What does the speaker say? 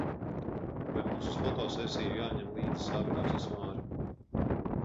Vai mums uz foto sesiju jāņem līdzi savi aksesuāri?